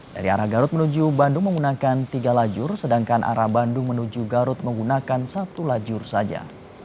dari arah garut menuju bandung menggunakan tiga lajur sedangkan arah bandung menuju garut menggunakan satu lajur saja